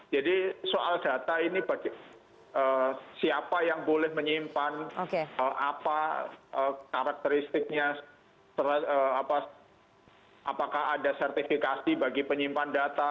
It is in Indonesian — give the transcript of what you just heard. jadi soal data ini siapa yang boleh menyimpan apa karakteristiknya apakah ada sertifikasi bagi penyimpan data